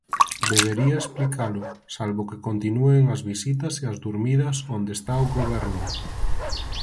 Debería explicalo, salvo que continúen as visitas e as durmidas onde está o Goberno.